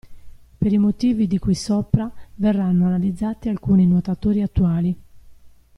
Per i motivi di cui sopra verranno analizzati alcuni nuotatori attuali.